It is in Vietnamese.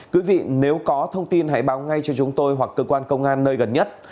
quý vị nếu có thông tin hãy báo ngay cho chúng tôi hoặc cơ quan công an nơi gần nhất